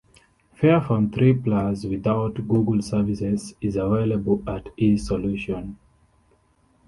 Fairphone three plus without Google services is avaiable at eSolution!